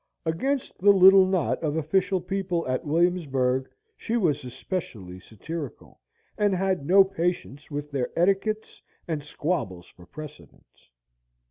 Against the little knot of official people at Williamsburg she was especially satirical, and had no patience with their etiquettes and squabbles for precedence.